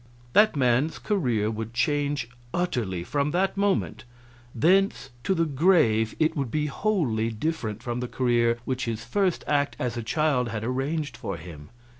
That man's career would change utterly, from that moment; thence to the grave it would be wholly different from the career which his first act as a child had arranged for him.